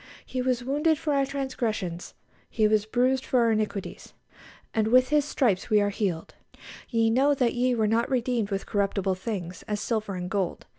"He was wounded for our transgressions, He was bruised for our iniquities;... and with His stripes we are healed." "Ye know that ye were not redeemed with corruptible things, as silver and gold...